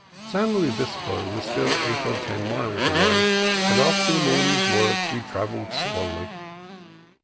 San Luis Obispo was still eight or ten miles away, and after the morning's work we travelled slowly.